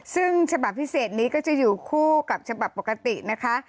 ซึ่งฉบับพิเศษนี้ก็จะอยู่คู่กับฉบับปกตินะคะ